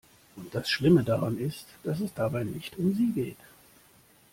Und das Schlimme daran ist, dass es dabei nicht um sie geht.